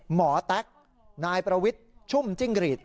หมอแต๊กนายประวิทชุ่มจิ้งหรีด